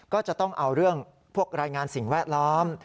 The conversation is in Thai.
ก็จะต้องเอาเรื่องพวกรายงานสิ่งแวดล้อม